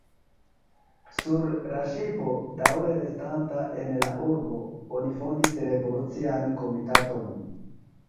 Sur la ŝipo, daŭre restanta en la urbo, oni fondis revolucian komitaton.